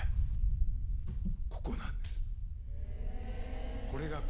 ここなんです。